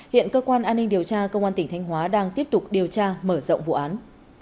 hiện cơ quan an ninh điều tra công an tỉnh thanh hóa đang tiếp tục điều tra mở rộng vụ án